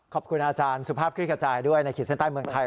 ขอบคุณอาจารย์สุภาพคลิกกระจายด้วยในขีดเส้นใต้เมืองไทย